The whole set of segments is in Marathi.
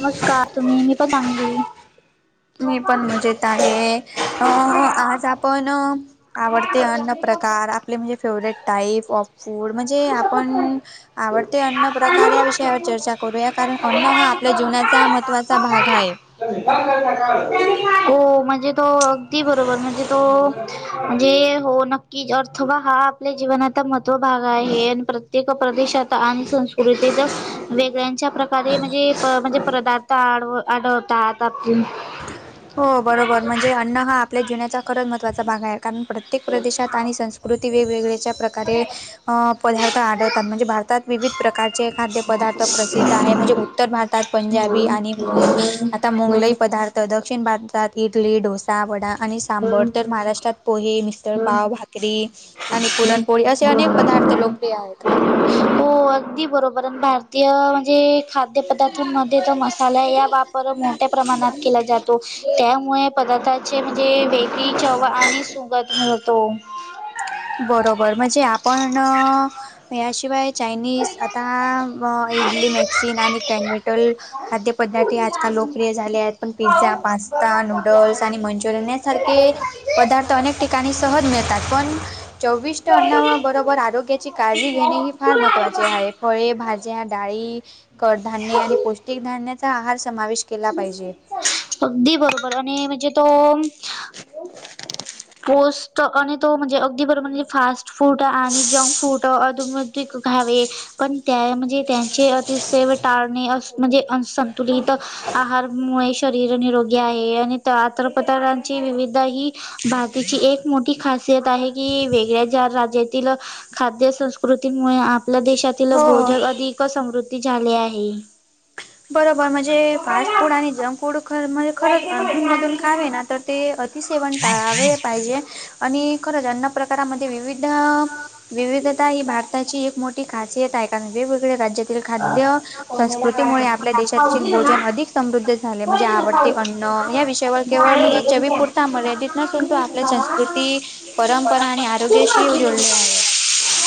नमस्कार तुम्ही मी पण चांगली मी पण मजेत आहे. हा आज आपण, आवडते अन्न प्रकार, आपले म्हणजे फेवरेट टाईप ऑफ फूड म्हणजे आपण, आवडते अन्न प्रकार या विषयावर चर्चा करूया. कारण अन्न हा आपल्या जीवनाचा महत्त्वाचा भाग आहे. हो. म्हणजे तो अगदी बरोबर. म्हणजे तो, म्हणजे हो. नक्की अर्थवा हा आपल्या जीवनाचा महत्त्व भाग हे प्रत्येक प्रदेशात आणि संस्कृतीत वेगळ्यांच्या प्र कधी म्हणजे म्हणजे पदार्थ आढ आढळतात. आपली हो बरोबर. म्हणजे अन्न हा आपल्या जीवनाचा खरंच महत्त्वाचा भाग आहे. कारण, प्रत्येक प्रदेशात आणि संस्कृती वेगवेगळ्याच्या प्रकारे अ पदार्थ आढळतात. म्हणजे भारतात विविध प्रकारचे खाद्यपदार्थ प्रसिद्ध आहे म्हणजे उ उत्तर भारतात पंजाबी आणि मुंग आता मुंगलई पदार्थ, दक्षिण भारतात इडली डोसा वडा वडा आणि सांबर तर महाराष्ट्रात पोहे, मिसळपाव आणि भाकरी आणि पुरणपोळी असे अनेक पदार्थ लोकप्रिय आहेत. हो. अगदी बरोबर आणि भारतीय म्हणजे, खाद्य पदार्थांमध्ये तर मसाल्या ह्या वापर मोठ्या प्रमाणात केला जातो. त्यामुळे, पदार्थाचे म्हणजे बेकरी चव आणि सुंगध येतो. बरोबर म्हणजे आपण अ याशिवाय चायनिज आता इडली मॅक्सीन आणि कॅनीटल खाद्यपदार्थे आजकाल लोकप्रिय झाले आहेत. पण पिझ्झा पास्ता नू नुडल्स आणि मंचुरियन यासारखे पदार्थ अनेक ठिकाणी सहज मिळतात. पण चोविष्ट अन्ना बरोबर आरोग्याची काळजी घेणे ही फार महत्त्वाचे आहे फळे, भाजी ज्या डाळी कडधान्य आणि पौष्टिक धान्यचा आहार समावेश केला पाहिजे अगदी बरोबर आणि म्हणजे तो पौष्ट आणि तो म्हणजे अगदी बर म्हणजे फास्ट फूड आणि जंक फूड तर आधुन, मधुन ते खावे पण त्या म्हणजे त्यांचे अतिसेव टाळणे म्हणजे असंतुलित आहारमुळे शरीर निरोगी आहे आणि आत पतांची विविध ही भारतीची एक मोठी खासियत आहे की वेगळ्या ज्या राज्यातील खाद्य संस्कृतीमुळे आप पल्या देशातील हो भोजन अधिक समृद्धी झाले आहे बरोबर म्हणजे फास्ट फूड आणि जंक फूड खर म्हणजे खरं अधुून मधून खावे ना तर ते अतिसेवन टाळावे पाहिजे आणि खरंच अन्न प्रकारामध्ये विविध विविधता ही भारताची एक मोठी खासियत आहे कारण वेगवेगळ्या राज्यातील खाद्य संस्कृतीमुळे [unintelligible] आपल्या देशातील भोजन अधिक समृद्ध झाले म्हणजे आवडते अन्न या विषयावर केवळ म्हणजे चविपुरत त्यामुळेच तिथनं [unintelligible] आपल्या संस्कृती परंपरा आणि आरोग्याशी जोडले आहे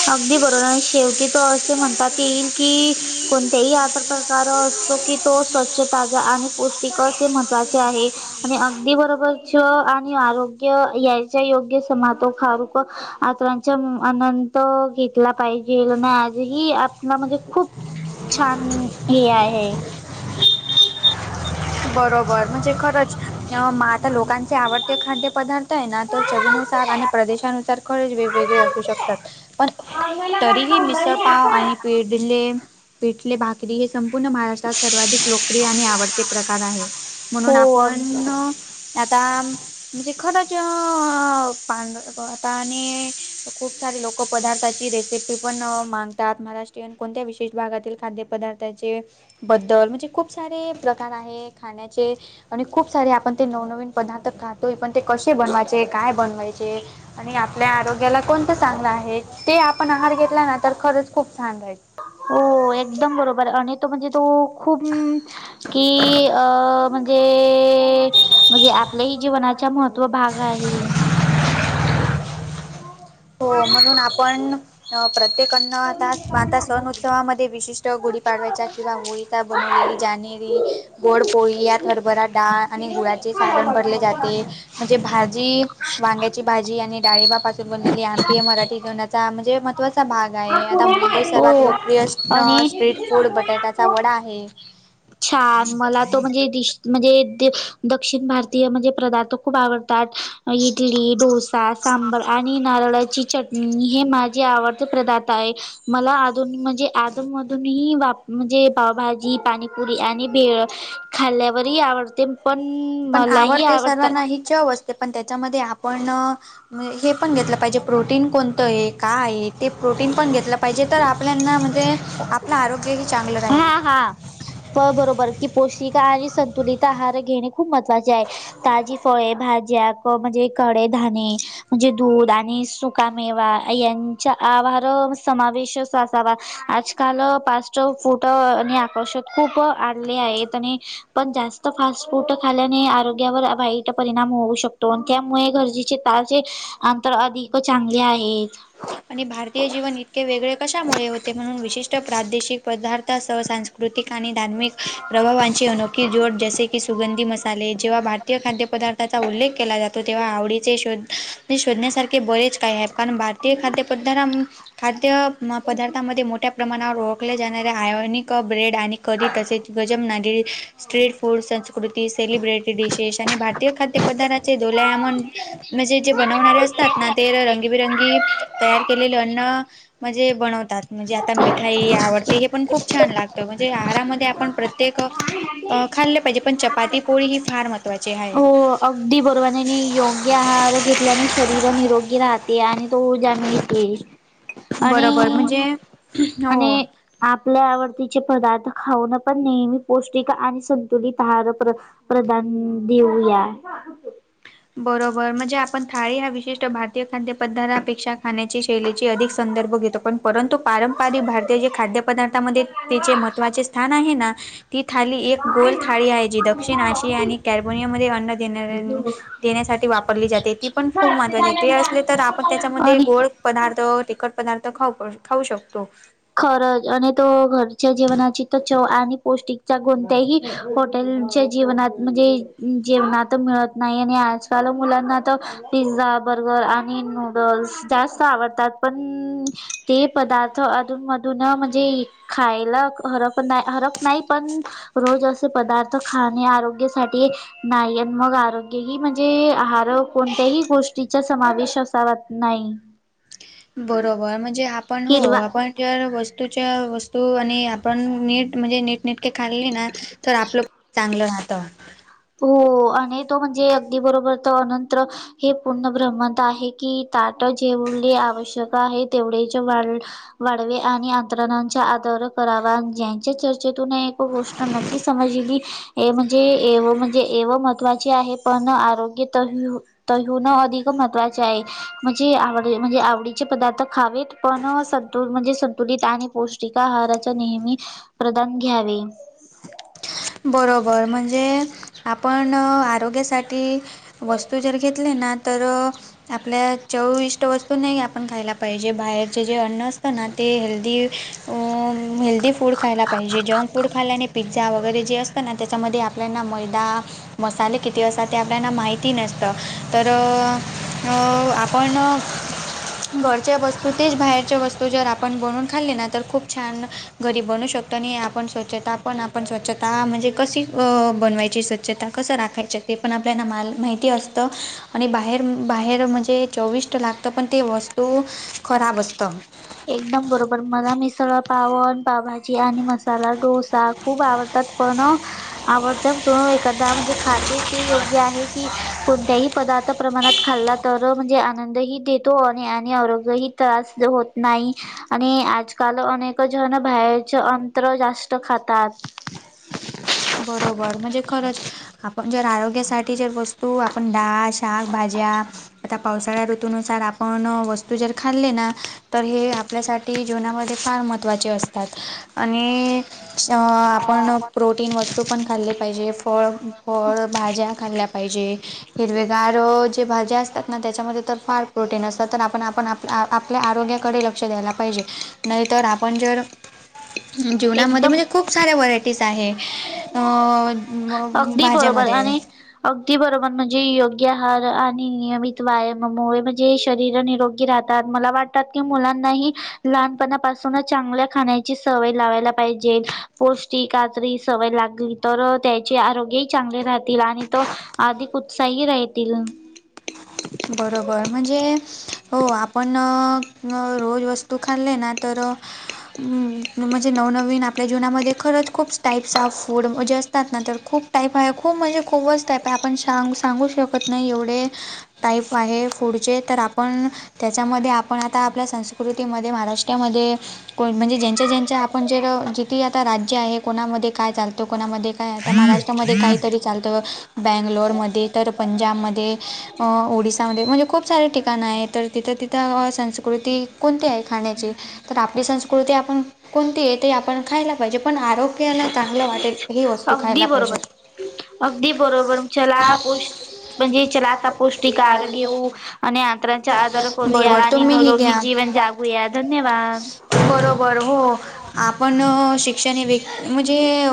अगदी बरोबर शेवटी तो असे म्हणतात येईल की कोणत्याही अ प्रकार असतो की तो स्वच्छताचा आणि पौष्टिक हे महत्त्वाचे आहे आणि अगदी बरोबरच आणि आरोग्य याच्या योग्य समातो खारूक आत त्या आनंत घेतला पाहिजे आणि आजही आपला म्हणजे खूप छान हे आहे बरोबर म्हणजे खरंच म आता लोकांचे आवडते खाद्यपदार्थ त ये ना तर चवीनुसार आणि प्रदेशानुसार कही वेगवेगळे असू शकतात पण तरीही मिसळ पाव आणि पेडले पिठले भाकरी हे संपूर्ण महाराष्ट्रात सर्वाधिक लोकप्रिय आणि आवडते प्रकार कार आहे हो म्हणून अग आपण ते आता [unintelligible] खूप सारे लोक पदार्थाची रेसिपी पण मागतात महाराष्ट्रीयन कोणत्या विशेष भागातील खाद्यपदार्थाचे बदल म्हणजे खूप सारे प्रकार आहे खाण्याचे आणि खूप सारे आपण ते नवनवीन पदार्थ खातोय पण ते कसे बनवायचे काय बनवायचे आणि आपल्या आरोग्याला कोणतं चांगलं आहे ते आपण आहार घेतला ना तर खरंच खूप छान राहील हो एकदम बरोबर आणि तो म्हणजे तु खूप की अ म्हण ते म्हणजे आपलंही जीवनाचा महत्त्व भाग आहे [unintelligible] हो म्हणून आपण अ प्रत्येकना आता, आता सण उत्सवामध्ये विशिष्ट गुढी पाडवायच्या किंवा होळी बनवलेली जानेरी गोड पोळी यात हरभरा डाळ आणि गुळाचे सारण भरले जाते म्हणजे भाजी वांग्याची भाजी आणि डाळिंबा पासून बनलेली आ [unintelligible] मराठी सनाचा म्हणजे महत्त्वाचा भाग आता मुंबई सर्वात हो लोकप्रिय आणि स्ट्रीट फूड बटाट्याचा वडा आहे छान मला तो म्हणजे डिश म्हणजे दक्षिण भारतीय म्हणजे पदार्थ खूप आवडतो ताट ईडली डोसा सांबर आणि नारळाची चट हे माझे आवडते पदा मला अधून म्हणजे आ मधून ही म्हणजे पावभाजी पाणीपुरी पुरी आणि भेळ खाल्ल्यावरही आवडते. पण पण मलाही आवडते आवडतात. सर्वांना हे चाव ते पण त्याच्यामध्ये आपण हे पण घेतल पाहिजे प्रोटीन कोणत हे. काय ते प्रोटीन पण घेतल पाहिजे तर आपल्याना म्हणजे आपल आरोग्यही चांगल राहील. हा हा प बरोबर की पोष्टिक आणि संतुलित आहार घेणे खूप महत्त्वाचे आहे. ताजी फळे भाज्या क म्हणजे कडे धाने म्हणजे दूध आणि सुकामेवा यांचा आहार समावेश अस असावा. आजकाल फास्ट फुट आणि आकर्षात खूप आणले आहेत आणि पण जास्त फास्ट फूड खाल्याने आरोग्यावर वाईट परिणाम होऊ शकतो आणि त्यामुळे गरजेचे जे अंतर अधिक चांगले आहेत. आणि भारतीय जीवन इतके वेगळे कशामुळे होते म्हणून विशिष्ट प्रादेशिक पदार्थ सहसा कुठ कृतिक आणि धार्मिक प्रभावांची अनोखी जोड जसे की सुगंधी मसाले- जेव्हा भारतीय खादयपदार्थाचा उल्लेख केला जातो तेव्हा आवडीचे शोध शोधण्यासारखे ते बरेच काय आहेत कारण भारतीय खाद्य पद् खाद्य पदार्थामध्ये मोठ्या प्रमाणावर ओळखल्या जाणाऱ्या आयोनिक ब्रेड आणि कधी तसेच गजम नागिरी स्ट्रीट फूड स कृती सेलिब्रेटी दिशेश आणि भारतीय खाद्य पदार्ाचे डोलेआमन म्हणजे जे बनवणारे असतात ना ते रंगींबिरंगी तयार केलेले अन्न म्हणजे बनवतात म्हणजे आता मिठाई आवडते हे पण खूप छान लागत म्हणजे आहारामध्ये आपण प्रत्य तेक खाल्ले पाहिजे पण चपाती पोळी ही फार महत्त्वाची आहे. हो अगदी बरोबर योग्य आहार घेतल्याने शरीर निरोगी राहते आणि तो ऊर्जा हम बरोबर म्हणजे हो आणि आपल्या आवडतीचे पदार्थ खाऊन पण नेहमी पौष्टिक आणि संतुलित आहार प्रधान देऊया. बरोबर म्हणजे आपण थाळी हा विशिष्ट भारतीय खाद्य पदार्थ पेक्षा खाण्याची शैलीची अधिक संदर्भ घेतो पण परंतु पारंपरिक भारत ते जे खाद्य पदार्थामध्ये तेचे महत्वाचे स्थान आहे ना ती थाली एक गोल थाळी आहे जी दक्षिण आशिया आणि कॅर्बोनिया मध्ये अन्न देणाऱ्यां देण्यासाठी वापरली जाते ती पण खूप महत्त्वाची ते असले तर आपण त्याच्यामध्ये आणि गोड पदार्थ तिखट पदार्थ खाऊ -खाऊ शकतो. खरच आणि तो घरच्या जेवणाची तर चव आणि पौष्टिकच्या कोणत्याही हॉटेलच्या जीवनात म्हणजे जेवनात मिळत नाही आणि आज चालू मुलांना तर पिझ्झा बर्गर आणि नूडल्स जास्त आवडतात पण ते पदार्थ अ अधून मधून म्हणजे खायला हरप- हरप नाही पण रोज अ पदार्थ खाणे आरोग्यासाठी नाही मग आरोग्यही म्हणजे आहार कोणत्याही गोष्टीचा समावेश असावा नाही. बरोबर म्हणजे आपण हो हिरवा आपण जर वस्तूच्या वस्तू आणि आपण नीट म्हणजे नीट नेटके खाल्ले ना तर आपल चांगल राहत. हो आणि तो म्हणजे अगदी बरोबर त अनंतर हे पुूर्ण भ्रमत आहे की ताट जेवढे आवश्यक आहे तेवढेच वाढ वाढवे आणि अंत्रणच्या आधार करावा, ज्यांच्या चर्चेतून एक गोष्ट नक्की समजली‌. हे म्हणजे, एव म्हणजे, एव महत्त्वाची आहे. पण आरोग्य तही तर होऊन अधिक महत्त्वाचे आहे. म्हणजे आवडी- म्हणजे आवडीचे पदार्थ खावेत. पण संतु -म्हणजे संतुलित आणि पौष्टिक आहाराचा नेहमी प्रदान घ्यावे. बरोबर! म्हणजे आपण आरोग्यासाठी वस्तू जर घेतले ना तर आपल्या चव इष्ट वस्तू नाही आपण खायला पाहिजे, बाहेरचे जे अन्न असत ना. ते हेल्दी अं हेल्दी फूड खायला पाहिजे. जंक फूड खायल्याने पिझ्झा वगैरे जे असतं ना त्याच्यामध्ये आपल्याना मैदा मसाले किती असत ते आपल्याला माहिती नसत, तर अ पण घरच्या वस्तू तेच बाहेरच्या वस्तू जर आपण बनून खाल्ली ना तर खूप छान घरीब बनू शकतो नाही आपण स्वच्छता पण आपण स्वच्छ ता म्हणजे कशी अ बनवायची स्वच्छता कसं राखायची ते पण आपल्याला मल -माहिती असतं. आणि बाहेर बाहेर म्हणजे चोविष्ट लागतं पण ते वस्तू खराब असतं. एकदम बरोबर मला मिसळ पावन, पावभाजी आणि मसाला डोसा खूप आवडतात. पण आवडत त एखादा म्हणजे खाते ते योग्य आहे, की कोणत्याही पदार्थ प्रमाणात खाल्ला तर म्हणजे आनंदही देतो, आणि -आणि आरोग्यही त्रास होत नाही. आणि आजकाल अनेक जण बाहेरचे अंतर जास्त खातात. बरोबर! म्हणजे खरंच. आपण जर आरोग्यासाठी जर वस्तू आपण डाळ, शाक, भाज्या आता पावसाळ्या ऋतूननुसार आपण वस्तू जर खाल्ले ना तर हे आपल्यासाठी जीवनामध्ये फार महत्त्वाचे असतात आणि श आपण प्रोटीन वस्तू पण खाल्ली पाहिजे, फळ- फळ भाज्या खाल्ल्या पाहिजे. हिरवेगार जे भाज्या असतात ना त्याच्यामध्ये तर फार प्रोटीन असतात, तर आपण- आप आपल्या आरोग्याकडे लक्ष द्यायला पाहिजे. नाहीतर आपण जर जेवणामध्ये एकदम म्हणजे खूप साऱ्या व्हरायटीज आहे. अ अगदी बरोबर भाज्यामध्ये आणि अगदी बरोबर! म्हणजे योग्य आहार आणि नियमित व्यायाममुळे म्हणजे शरीर निरोगी राहत. मला वाटतात की मुलांनाही लहानपणापासूनच चांगल्या खाण्याची सवय लावाय हागायला पाहिजे. पौष्टिक कातरही सवय लागली तर त्याचे आरोग्य चांगले राहतील आणि तो आधी उत्साही राहतील. बरोबर म्हणजे! हो आपण रोज वस्तू खाल्ले ना तर हम, म्हणजे नवनवीन आपल्या जीवनामध्ये खरंच खूप टाईप्स ऑफ फूड म्हणजे असतात ना तर खूप टाईप आहे खूप म्हणजे खूच टाईप आहे आपणां सांगू शकत नाही एवढे. टाईप आहे पुढचे तर आपण त्याच्यामध्ये आपण आता आपल्या संस्कृतीमध्ये महाराष्ट्रामध्ये को म्हणजे ज्यांच्या ज्यांच्या आपण जे जिथती आता राज्य आहे कोणामध्ये काय चालतो, कोणामध्ये काय आता महाराष्ट्रामध्ये काहीतरी चालतं, बँंगलोरमध्ये, तर पंजाबमध्ये, अ ओडिसामध्ये म्हणजे खूप सारे ठिकाणं आहे, तर तिथं तिथं संस्कृती कोणती आहे खाण्याची? तर आपली संस्कृती आपण कोणती आहे त आपण खायला पाहिजे, पण आरोग्याला चांगलं वाटेल. ही वस्तू खायला अगदी पाहिजे बरोबर, अगदी बरोबर, चला पोस्ट म्हणजे चला आता पोस्ट कि कार घेऊ आणि अंतरांचा आदार करूया बरोबर आणि तुम्हीही निरोगी घ्या जीवन जागूया धन्यवाद! बरोबर हो आपण शिक्षणे व्यक् म्हणजे.